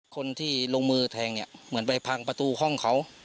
คนที่ลงมือแทงเนี่ยเหมือนไปพังประตูห้องเขา